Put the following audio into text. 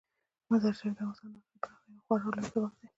مزارشریف د افغانستان د ښاري پراختیا یو خورا لوی سبب دی.